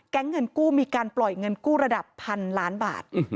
เงินกู้มีการปล่อยเงินกู้ระดับพันล้านบาท